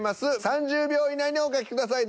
３０秒以内にお書きください